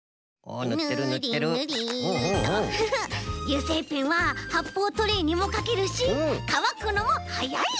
油性ペンははっぽうトレーにもかけるしかわくのもはやい！